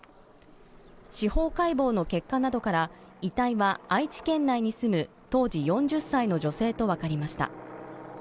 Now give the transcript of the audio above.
司法解剖の結果などから遺体は愛知県内に住む当時４０歳の女性とわかりました。